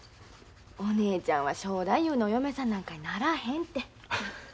お姉ちゃんは正太夫のお嫁さんなんかにならへんて。